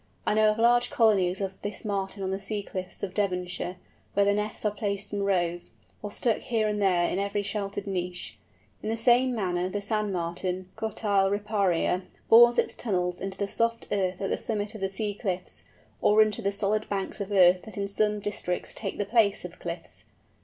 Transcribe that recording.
I know of large colonies of this Martin on the sea cliffs of Devonshire, where the nests are placed in rows, or stuck here and there in every sheltered niche. In the same manner the Sand Martin, Cotyle riparia, bores its tunnels into the soft earth at the summit of the sea cliffs, or into the solid banks of earth that in some districts take the place of cliffs.